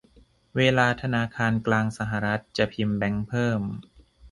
เวลาธนาคารกลางสหรัฐจะพิมพ์แบงก์เพิ่ม